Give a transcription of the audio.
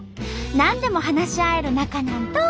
何でも話し合える仲なんと！